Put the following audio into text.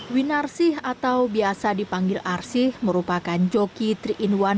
winarsih atau biasa dipanggil arsih merupakan joki tiga in satu